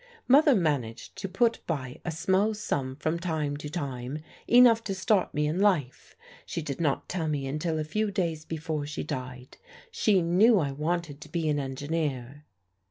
"Mother managed to put by a small sum from time to time, enough to start me in life. She did not tell me until a few days before she died: she knew I wanted to be an engineer."